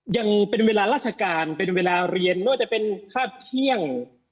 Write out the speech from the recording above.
ยังเป็นเวลาราชการเป็นเวลาเรียนไม่ว่าจะเป็นคาดเที่ยง